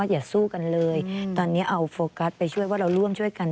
อย่าสู้กันเลยตอนนี้เอาโฟกัสไปช่วยว่าเราร่วมช่วยกัน